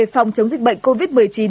phòng chống dịch bệnh covid một mươi chín